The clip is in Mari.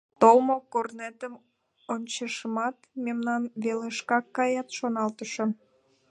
— Толмо корнетым ончышымат, мемнан велышкак кает, шоналтышым.